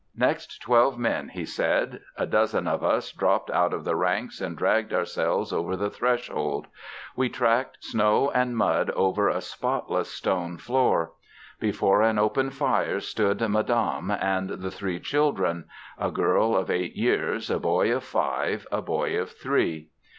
"Next twelve men," he said. A dozen of us dropped out of the ranks and dragged ourselves over the threshold. We tracked snow and mud over a spotless stone floor. Before an open fire stood Madame and the three children a girl of eight years, a boy of five, a boy of three.